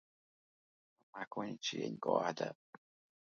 A maconha te engorda